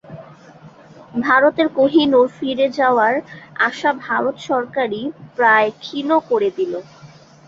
ভারতের কোহিনূর ফিরে পাওয়ার আশা ভারত সরকারই প্রায় ক্ষীণ করে দিল।